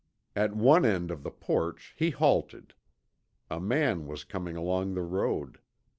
At one end of the porch he halted. A man was coming along the road.